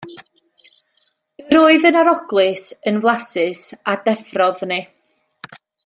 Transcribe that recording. Yr oedd yn aroglus, yn flasus, a deffrodd ni.